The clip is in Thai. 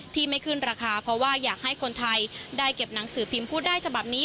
ไม่ขึ้นราคาเพราะว่าอยากให้คนไทยได้เก็บหนังสือพิมพ์พูดได้ฉบับนี้